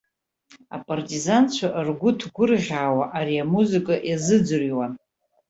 Апартизанцәа, ргәы ҭгәырӷьаауа, ари амузыка иазыӡырҩуан.